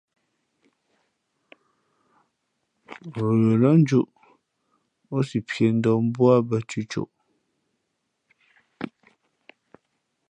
Ghə lά njūʼ, ǒ si piē ndαα mbú ā bᾱ cʉ̌côʼ.